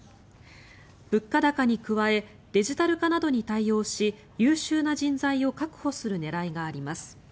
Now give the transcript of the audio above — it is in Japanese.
物価高に加えデジタル化などに対応し優秀な人材を確保する狙いがあります。